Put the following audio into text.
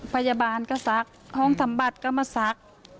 พยพัชน์ก็สักห้องธรรมบัตรก็สัก